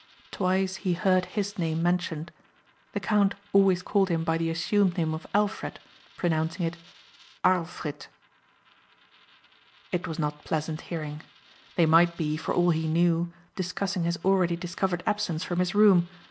Twice he heard his name mentioned. The count always called him by the assumed name of Alfred pronouncing it "Arlfrit." It was not pleasant hearing. They might be, for all he knew, discussing his already discovered absence from his room.